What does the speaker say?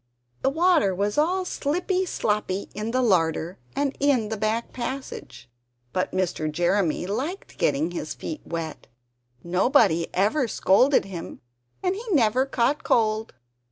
The water was all slippy sloppy in the larder and in the back passage. But Mr. Jeremy liked getting his feet wet; nobody ever scolded him, and he never caught a cold!